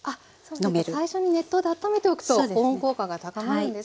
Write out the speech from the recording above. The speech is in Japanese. そうか最初に熱湯で温めておくと保温効果が高まるんですね。